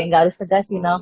gak harus tegas you know